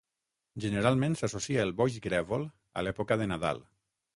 Generalment s'associa el boix grèvol a l'època de Nadal.